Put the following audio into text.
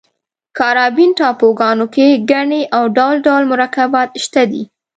کارابین ټاپوګانو کې ګني او ډول ډول مرکبات شته دي.